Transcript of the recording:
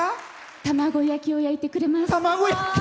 卵焼きを焼いてくれます。